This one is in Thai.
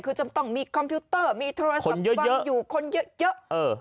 คือจำต้องมีคอมพิวเตอร์มีโทรศัพท์บ้างอยู่คนเยอะเยอะเออ